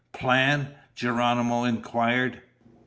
"Plan?" Geronimo inquired.